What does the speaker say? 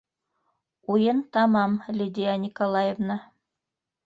Уйын тамам, Лидия Николаевна.